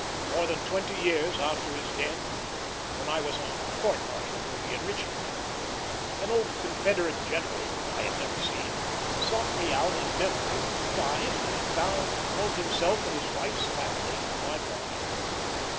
More than twenty years after his death, when I was on court martial duty in Richmond, an old Confederate general, whom I had never seen, sought me out in memory of the ties that had bound both himself and his wife's family to my father.